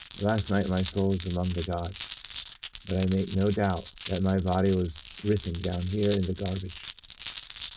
Last night my soul was among the gods ; but I make no doubt that my body was writhing down here in the garbage.